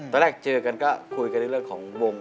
แรกเจอกันก็คุยกันในเรื่องของวง